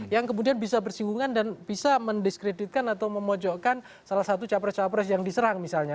yang kemudian bisa bersinggungan dan bisa mendiskreditkan atau memojokkan salah satu capres cawapres yang diserang misalnya